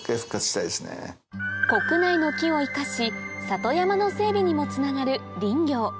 国内の木を生かし里山の整備にもつながる林業